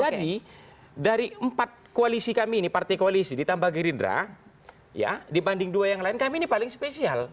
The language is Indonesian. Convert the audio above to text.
jadi dari empat koalisi kami ini partai koalisi ditambah gerindra ya dibanding dua yang lain kami ini paling spesial